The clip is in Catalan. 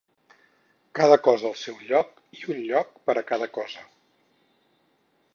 Cada cosa al seu lloc i un lloc per a cada cosa.